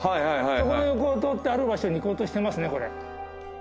そこの横を通ってある場所に行こうとしてますねこれ。